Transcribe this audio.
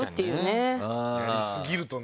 やりすぎるとね。